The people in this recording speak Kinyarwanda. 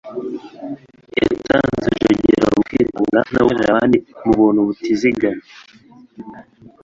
Yatanze umgero mu kwitanga no gukorera abandi mu buntu butizigamye.